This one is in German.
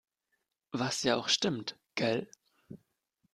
Was ja auch stimmt. Gell?